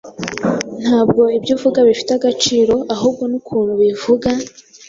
Ntabwo ibyo uvuga bifite agaciro, ahubwo nukuntu ubivuga.